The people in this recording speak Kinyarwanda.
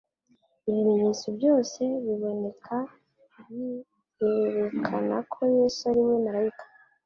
Ibimenyetso byose biboneka birerekana ko Yesu ari we malayika